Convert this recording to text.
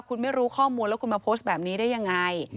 คุณไม่รู้ข้อมูลแล้วคุณมาโพสต์แบบนี้ได้ยังไง